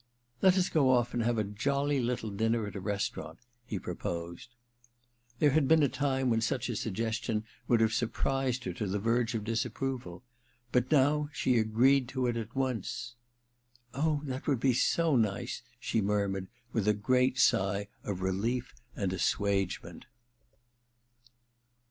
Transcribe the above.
* Let us go off* and have a jolly little dinner at a restaurant,' he proposed. There had been a time when such a sug gestion would have surprised her to the verge of disapproval ; but now she agreed to it at once. * Oh, that would be so nice,' she murmured with a great sigh of relief and assuagement.